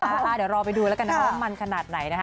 เดี๋ยวรอไปดูแล้วกันนะคะว่ามันขนาดไหนนะคะ